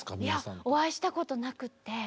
いやお会いしたことなくって。